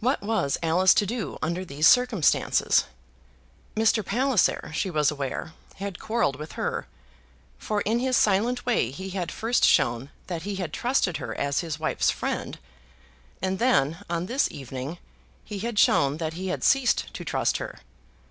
What was Alice to do under these circumstances? Mr. Palliser, she was aware, had quarrelled with her; for in his silent way he had first shown that he had trusted her as his wife's friend; and then, on this evening, he had shown that he had ceased to trust her.